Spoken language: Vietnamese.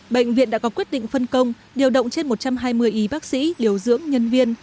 bệnh viện đã có quyết định phân công điều động trên một trăm hai mươi y bác sĩ điều dưỡng nhân viên